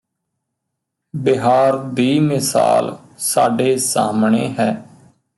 ਬਿਹਾਰ ਦੀ ਮਿਸਾਲ ਸਾਡੇ ਸਾਹਮਣੇ ਹੈ